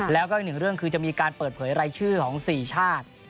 แล้วก็อีกหนึ่งเรื่องคือจะมีการเปิดเผยรายชื่อของ๔ชาติ